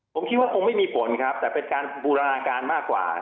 ผมคิดว่าคงไม่มีผลครับแต่เป็นการบูรณาการมากกว่า